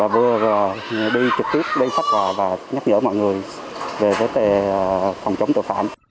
vừa đi trực tiếp phát hòa và nhắc nhở mọi người về phòng chống tội phạm